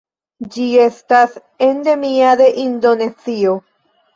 Ĝi estas endemia de Indonezio.